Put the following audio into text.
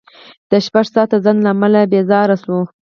د شپږ ساعته ځنډ له امله بېزاره شوو.